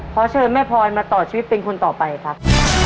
ขอเชิญแม่พลอยมาต่อชีวิตเป็นคนต่อไปครับ